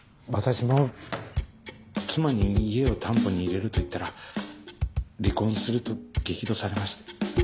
私も妻に「家を担保に入れる」と言ったら「離婚する」と激怒されまして。